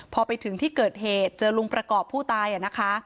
พอไปถึงที่เกิดเหตุเจอลุงประกอบผู้ตายนะคะ